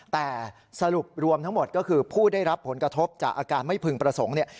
แต่สรุปรวมทั้งหมดก็คือผู้ได้รับผลกระทบจากอาการไม่พึงประสงค์เนี่ย